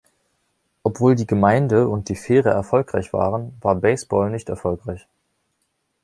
Obwohl die Gemeinde und die Fähre erfolgreich waren, war Baseball nicht erfolgreich.